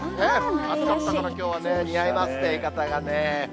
暑かったからきょうはね、似合いますね、浴衣がね。